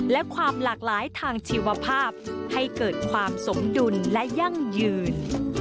และความหลากหลายทางชีวภาพให้เกิดความสมดุลและยั่งยืน